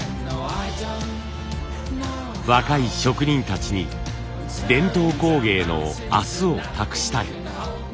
若い職人たちに伝統工芸の明日を託したい。